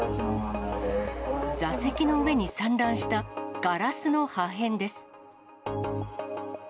座席の上に散乱したガラスの破片です。